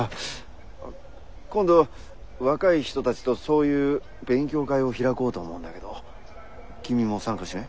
今度若い人たちとそういう勉強会を開こうと思うんだけど君も参加しない？